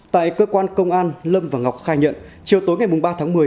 tại cơ quan công an lâm và ngọc khai nhận chiều tối ngày ba tháng một mươi